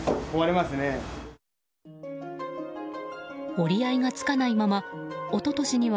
折り合いがつかないまま一昨年には